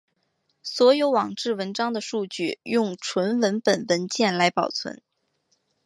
所有网志文章的数据用纯文本文件来保存。